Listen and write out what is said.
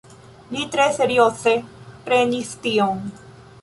Li tre serioze prenis tion.